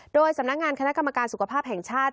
โดยสำนักงานคณะกรรมการสุขภาพแห่งชาติ